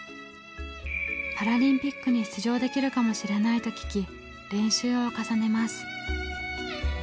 「パラリンピックに出場できるかもしれない」と聞き練習を重ねます。